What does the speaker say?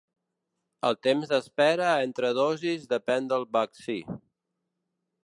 El temps d’espera entre dosis depèn del vaccí.